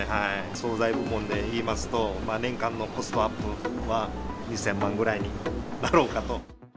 総菜部門で言いますと、年間のコストアップは２０００万ぐらいになろうかと。